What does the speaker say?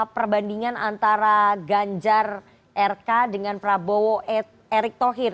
perbandingan antara ganjar rk dengan prabowo erik tohir